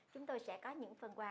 chúng tôi sẽ có những phần quà